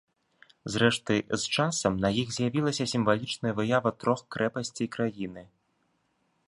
Зрэшты, з часам на іх з'явілася сімвалічная выява трох крэпасцей краіны.